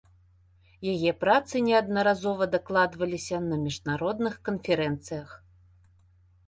Яе працы неаднаразова дакладваліся на міжнародных канферэнцыях.